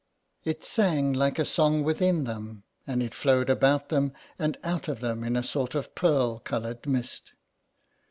It sang like a song within them, and it flowed about them and out of them in a sort of pearl coloured mist.